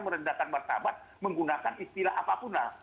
merendahkan martabat menggunakan istilah apapun lah